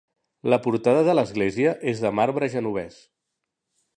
La portada de l'església és de marbre genovès.